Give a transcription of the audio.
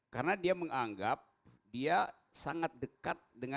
karena dia menganggap dia sangat dekat dengan